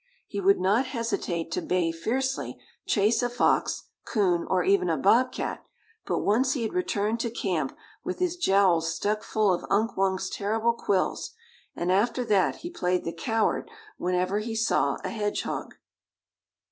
He would not hesitate to bay fiercely, chase a fox, coon, or even a bob cat, but once he had returned to camp with his jowls stuck full of Unk Wunk's terrible quills, and after that he played the coward whenever he saw a hedgehog.